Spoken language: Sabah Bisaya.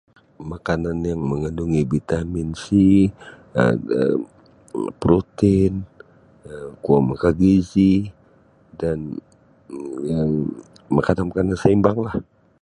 Makanan yang mangandungi vitamin C um protein um kuo maka gizi dan yang um makanan-makanan seimbanglah.